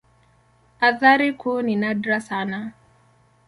Athari kuu ni nadra sana.